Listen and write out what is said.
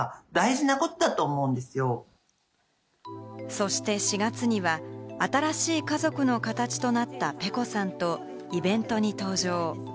そして４月には新しい家族の形となったｐｅｃｏさんとイベントに登場。